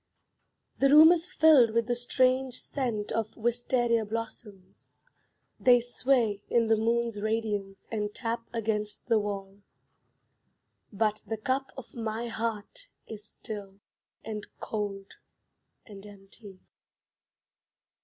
The room is filled with the strange scent Of wistaria blossoms. They sway in the moon's radiance And tap against the wall. But the cup of my heart is still, And cold, and empty.